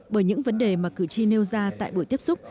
bởi những vấn đề mà cử tri nêu ra tại buổi tiếp xúc